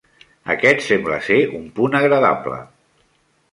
Aquest sembla ser un punt agradable.